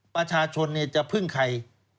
ประชาชนจะพึ่งใคร